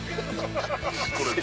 これです。